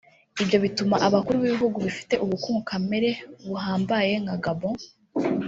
Ibyo bituma abakuru b’ibihugu bifite ubukungu kamere buhambaye nka Gabon